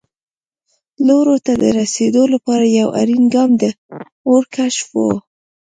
لوړو ته د رسېدو لپاره یو اړین ګام د اور کشف و.